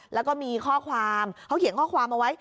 แล้วก็มีข้อความเขาเขียนข้อความเอาไว้